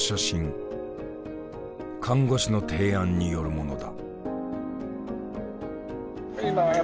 看護師の提案によるものだ。